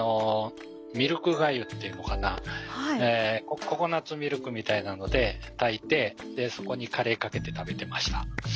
ミルクがゆっていうのかなココナツミルクみたいなので炊いてそこにカレーかけて食べてました。